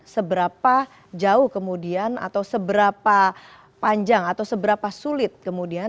seberapa jauh kemudian atau seberapa panjang atau seberapa sulit kemudian